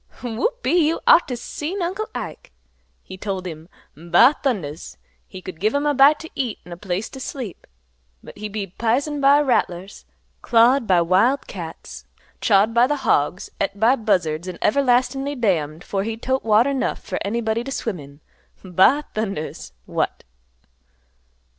Whoop e e, you ought t' seen Uncle Ike! He told him, 'Ba thundas!' he could give him a bite to eat an' a place to sleep, but he'd be pisined bit by rattlers, clawed by wild cats, chawed by the hogs, et by buzzards, an' everlastin'ly damned 'fore he'd tote water 'nough fer anybody t' swim in. 'Ba thundas! What!